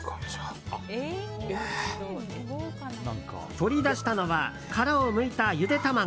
取り出したのは殻をむいた、ゆで卵。